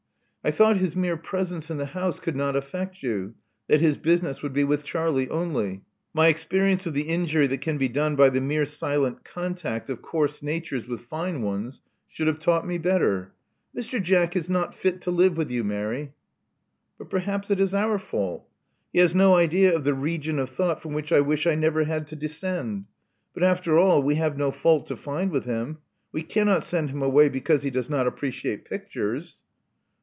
I thought his mere presence in the house could not affect you — that his business would be with Charlie only. My experience of the injury that can be done by the mere silent contact of coarse natures with fine ones should have taught me better. Mr. Jack is not fit to live with you, Mary." '*But perhaps it is our fault. He has no idea of the region of thought from which I wish I never had to descend ; but, after all, we have no fault to find with him. We cannot send him away because he does not appreciate pictures."